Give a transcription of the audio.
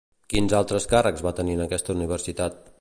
Quins altres càrrecs va tenir en aquesta universitat?